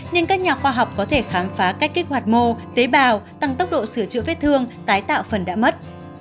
nên các nhà khoa học có thể khám phá cách kích hoạt mô tế bào tăng tốc độ sửa chữa vết thương tái tạo phần đã mất